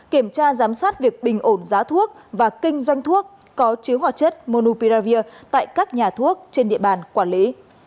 kiểm tra giám sát việc bình ổn giá thuốc và kinh doanh thuốc có chứa hoạt chất monupiravir tại các nhà thuốc trên địa bàn quản lý